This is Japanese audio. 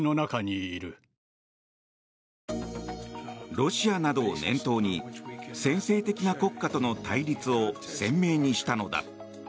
ロシアなどを念頭に専制的な国家との対立を鮮明にしたのだ。